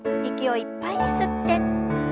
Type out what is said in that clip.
息をいっぱいに吸って。